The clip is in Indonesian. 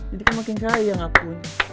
jadi ke makin sayang aku